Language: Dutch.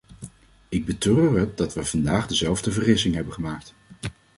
Ik betreur het dat we vandaag dezelfde vergissing hebben gemaakt.